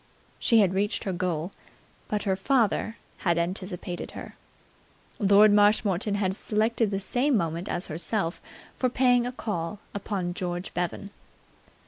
She had reached her goal, but her father had anticipated her. Lord Marshmoreton had selected the same moment as herself for paying a call upon George Bevan.